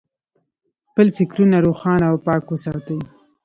خپل فکرونه روښانه او پاک وساتئ.